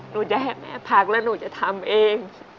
หนูจะให้แม่พักแล้วหนูจะทำเอง